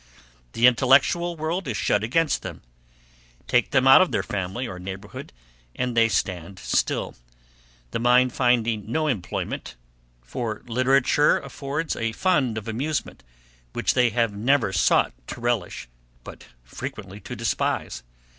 The intellectual world is shut against them; take them out of their family or neighbourhood, and they stand still; the mind finding no employment, for literature affords a fund of amusement, which they have never sought to relish, but frequently to despise.